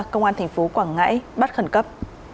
công an tp quảng ngãi bắt khẩn cấp